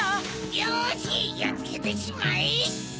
よしやっつけてしまえ！